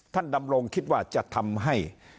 ดำรงคิดว่าจะทำให้